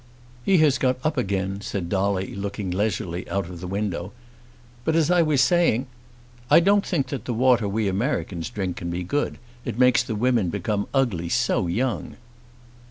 "He has got up again," said Dolly, looking leisurely out of the window. "But as I was saying " "I don't think that the water we Americans drink can be good. It makes the women become ugly so young."